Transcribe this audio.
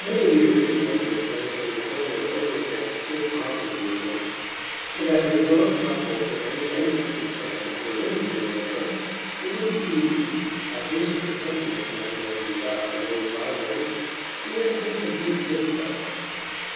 Many of the originals were translated over and over again, so popular were they; and as the heroic novels of any eminence in France were limited in number, it would be easy, by patiently hunting the translations up in old libraries, to make a pretty complete list of them.